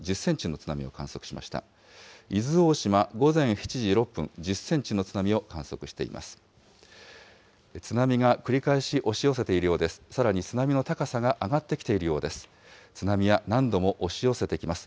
津波が繰り返し押し寄せているようです。